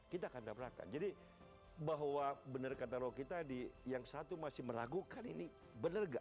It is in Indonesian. kita kandang kandang jadi bahwa bener kata roh kita di yang satu masih meragukan ini bener gak